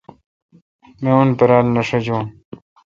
می اں پیار نہ ݭجون۔